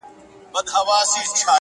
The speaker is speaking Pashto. که باران وي که ژلۍ، مېلمه غواړي ښه مړۍ -